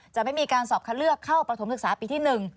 จะไม่มีการสอบคัดเลือกเข้าประถมศึกษาปีที่๑